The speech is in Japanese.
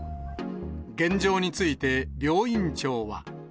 現状について、病院長は。